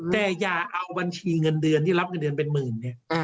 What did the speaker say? แต่อย่าเอาบัญชีเงินเดือนที่รับเงินเดือนเป็นหมื่นเนี่ย